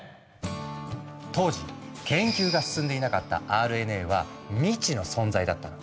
当時研究が進んでいなかったＲＮＡは未知の存在だったの。